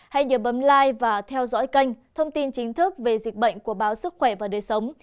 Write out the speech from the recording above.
hãy nhớ bấm like và theo dõi kênh thông tin chính thức về dịch bệnh của báo sức khỏe và đời sống